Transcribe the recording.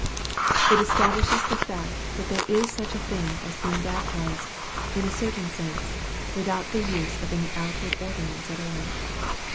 It establishes the fact that there is such a thing as being baptized, in a certain sense, without the use of any outward ordinance at all.